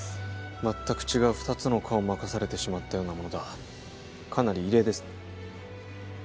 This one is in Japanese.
全く違う２つの科を任されてしまったようなものだかなり異例ですね